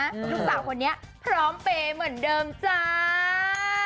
ลูกสาวคนนี้พร้อมเปย์เหมือนเดิมจ้า